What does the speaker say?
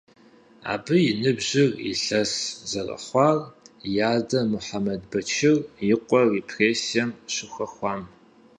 Абы и ныбжьыр илъэст зэрыхъуар и адэ Мухьэмэд Бэчыр и къуэр репрессием щыхэхуам.